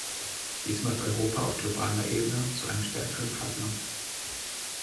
Dies macht Europa auf globaler Ebene zu einem stärkeren Partner.